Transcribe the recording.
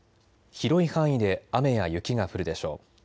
広い範囲で雨や雪が降るでしょう。